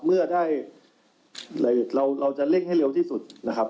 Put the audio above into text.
เมื่อได้เราจะเร่งให้เร็วที่สุดนะครับ